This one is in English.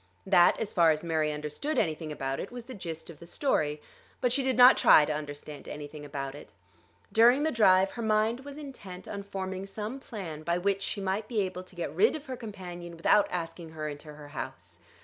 That, as far as Mary understood anything about it, was the gist of the story. But she did not try to understand anything about it. During the drive her mind was intent on forming some plan by which she might be able to get rid of her companion without asking her into her house.